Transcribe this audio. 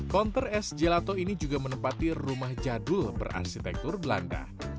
konter es gelato ini juga menempati rumah jadul berarsitektur belanda